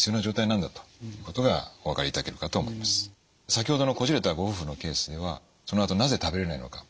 先ほどのこじれたご夫婦のケースではそのあと「なぜ食べれないのか」